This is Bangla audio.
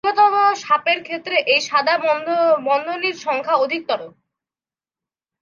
দীর্ঘতর সাপের ক্ষেত্রে এই সাদা বন্ধনীর সংখ্যা অধিকতর।